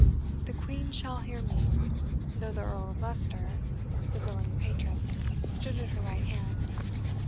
The Queen shall hear me, though the Earl of Leicester, the villain's patron, stood at her right hand."